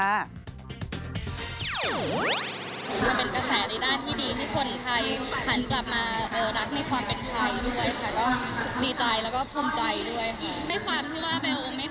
ก็เป็นกระแสในด้านที่ดี